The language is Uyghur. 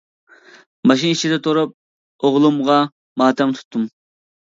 ماشىنا ئىچىدە تۇرۇپ ئوغلۇمغا ماتەم تۇتتۇم.